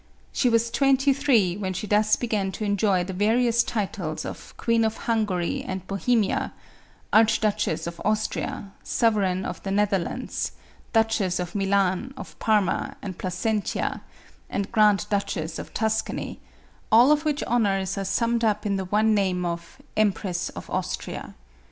She was twenty three when she thus began to enjoy the various titles of Queen of Hungary and Bohemia, Archduchess of Austria, Sovereign of the Netherlands, Duchess of Milan, of Parma, and Placentia, and Grand duchess of Tuscany, all of which honors are summed up in the one name of Empress of Austria.